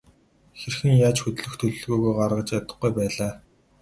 Хэрхэн яаж хөдлөх төлөвлөгөөгөө гаргаж чадахгүй байлаа.